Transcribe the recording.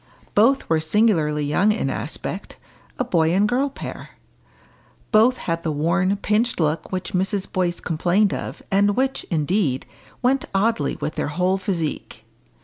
Both were singularly young in aspect a boy and girl pair. Both had the worn, pinched look which Mrs. Boyce complained of, and which, indeed, went oddly with their whole physique.